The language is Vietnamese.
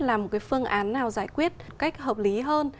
làm một cái phương án nào giải quyết cách hợp lý hơn